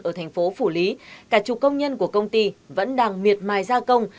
ở thành phố phủ lý cả chục công nhân của công ty vẫn đang miệt mài gia công